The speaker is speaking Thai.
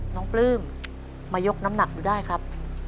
ปลื้มมายกน้ำหนักดูได้ครับ